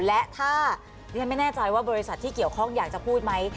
และถ้าดิฉันไม่แน่ใจว่าบริษัทที่เกี่ยวข้องอยากจะพูดไหม